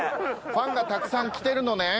ファンがたくさん来てるのねん。